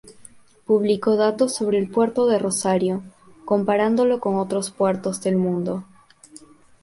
Publicó datos sobre el puerto de Rosario, comparándolo con otros puertos del mundo.